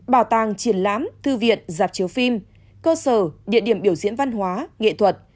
bảo tàng triển lãm thư viện dạp chiếu phim cơ sở địa điểm biểu diễn văn hóa nghệ thuật